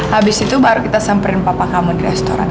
habis itu baru kita semana mana sampai bapa di restoran apa